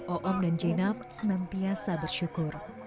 oom dan jenab senantiasa bersyukur